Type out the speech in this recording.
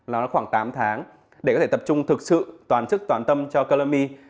nó là khoảng tám tháng để có thể tập trung thực sự toàn sức toàn tâm cho color me